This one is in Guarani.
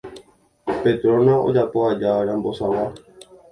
Petrona ojapo aja rambosag̃ua